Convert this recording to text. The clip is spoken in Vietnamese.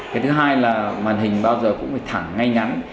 cái thứ hai là màn hình bao giờ cũng phải thẳng ngay ngắn